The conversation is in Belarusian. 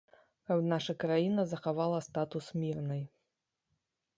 Каб наша краіна захавала статус мірнай.